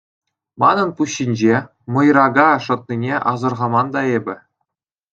Манӑн пуҫ ҫинче «мӑйрака» шӑтнине асӑрхаман та эпӗ.